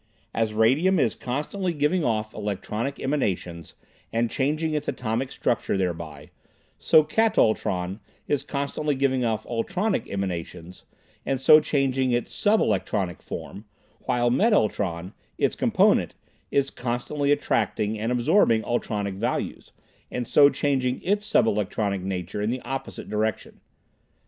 As radium is constantly giving off electronic emanations and changing its atomic structure thereby, so katultron is constantly giving off ultronic emanations, and so changing its sub electronic form, while metultron, its complement, is constantly attracting and absorbing ultronic values, and so changing its sub electronic nature in the opposite direction.